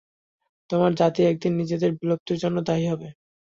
তোমার জাতি একদিন নিজেদের বিলুপ্তির জন্য দায়ী হবে।